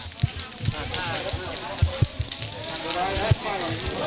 สำหรับชายชมพวกชมพลังวัฒน์ล่ะครับ